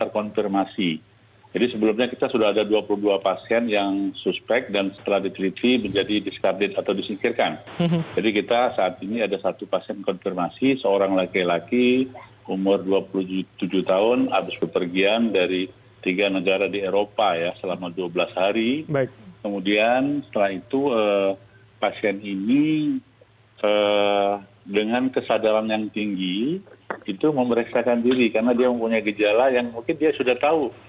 kemudian setelah itu pasien ini dengan kesadaran yang tinggi itu memeriksa diri karena dia mempunyai gejala yang mungkin dia sudah tahu